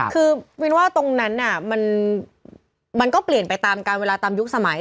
คือวินว่าตรงนั้นมันก็เปลี่ยนไปตามการเวลาตามยุคสมัย